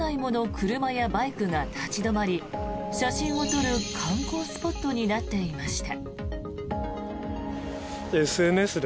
車やバイクが立ち止まり写真を撮る観光スポットになっていました。